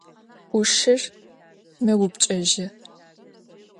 Uşşır meupçç'ejı.